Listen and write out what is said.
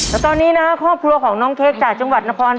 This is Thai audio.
แล้วตอนนี้นะครับครอบครัวของน้องเค้กจากจังหวัดนคร